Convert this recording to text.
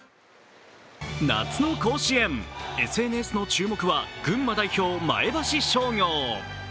夏の甲子園、ＳＮＳの注目は群馬代表・前橋商業。